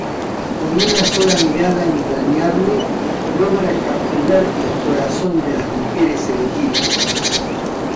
Con una sola mirada entrañable logra capturar el corazón de las mujeres elegidas.